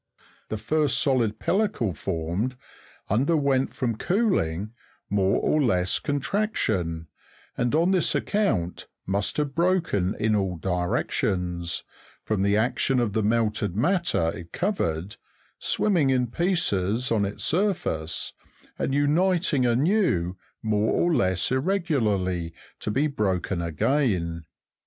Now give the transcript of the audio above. The first solid pellicle formed underwent, from cooling, more or less contraction, and on this account must have broken in all directions, from the action of the melted matter it covered, swimming in pieces on its surface, and uniting anew more or less irregularly, to be again broken.